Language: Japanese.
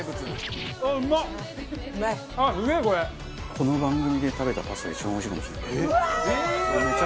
この番組で食べたパスタで一番おいしいかもしれない。